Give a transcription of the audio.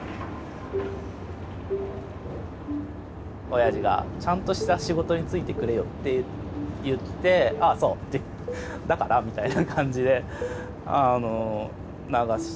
おやじが「ちゃんとした仕事に就いてくれよ」って言って「ああそう。だから？」みたいな感じで流しましたね。